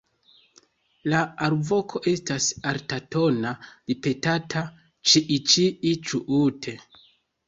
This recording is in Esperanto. La alvoko estas altatona ripetata "ĉii-ĉii-ĉuut".